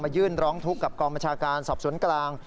ยื่นร้องทุกข์กับกองบัญชาการสอบสวนกลาง